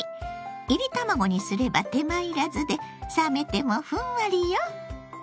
いり卵にすれば手間いらずで冷めてもふんわりよ。